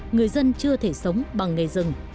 người dân chưa thể sống bằng nghề rừng